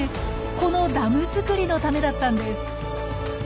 このダム作りのためだったんです。